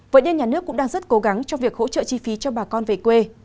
vậy nên nhà nước cũng đang rất cố gắng trong việc hỗ trợ chi phí cho bà con về quê